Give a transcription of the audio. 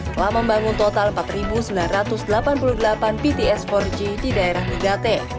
telah membangun total empat sembilan ratus delapan puluh delapan pts empat g di daerah nigate